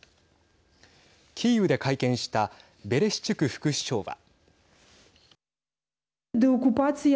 キーウで会見したベレシチュク副首相は。